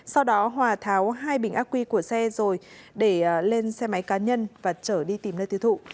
sau đó hòa tháo hai bình ác quy của xe rồi để lên xe máy cá nhân và trở đi tìm nơi tiêu thụ